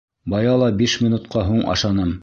Бая ла биш минутҡа һуң ашаным.